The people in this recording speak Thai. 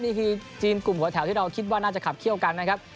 นี่คือทีมกลุ่มหัวแถวที่เราคิดว่าน่าจะขับเขี้ยวกันนะครับ